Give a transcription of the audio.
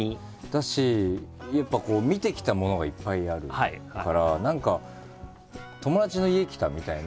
だしやっぱこう見てきたものがいっぱいあるから何か友達の家来たみたいな。